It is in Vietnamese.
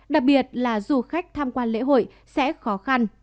đặc biệt là du khách tham quan lễ hội sẽ khó khăn